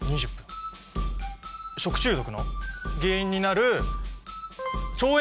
食中毒の原因になる腸炎